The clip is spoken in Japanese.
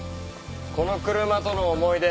この車との思い出